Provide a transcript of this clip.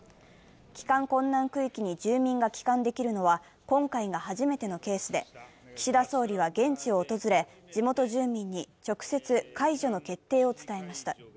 帰還困難区域に住民が帰還できるのは、今回が初めてのケースで、岸田総理は現地を訪れ地元住民に直接解除の決定を伝えました。